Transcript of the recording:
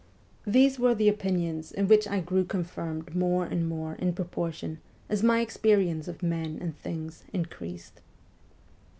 These were the opinions in which I grew confirmed more and more in proportion as my experience of men and things increased.